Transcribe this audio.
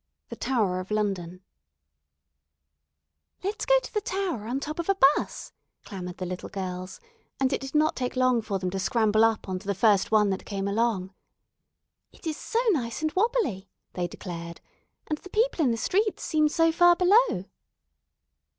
THE TOWER OF LONDON "LET'S go to the Tower on top of a 'bus," clamoured the little girls, and it did not take long for them to scramble up on to the first one that came along. "It is so nice and wobbly," they declared, "and the people in the streets seem so far below."